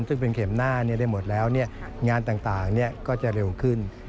ซึ่งเป็นเข็มหน้าได้หมดแล้วงานต่างก็จะเร็วขึ้น